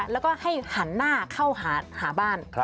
แล้วก็ให้หันหน้าเข้าหาบ้าน